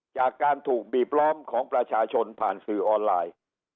จากการถูกบีบล้อมของประชาชนผ่านสื่อออนไลน์